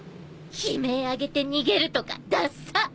悲鳴上げて逃げるとかダサッ。